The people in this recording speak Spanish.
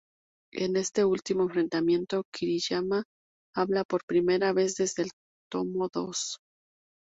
En este último enfrentamiento, Kiriyama habla por primera vez desde el tomo dos.